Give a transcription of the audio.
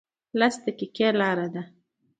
لس دقیقې لاره ده